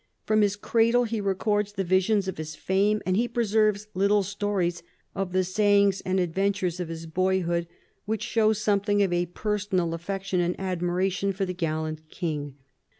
From his cradle he records the visions of his fame, and he preserves little stories of the sayings and adventures of his boyhood, which show something of a personal affection and admiration for the gallant king.